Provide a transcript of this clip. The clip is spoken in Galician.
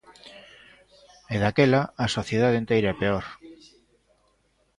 E, daquela, a sociedade enteira é peor.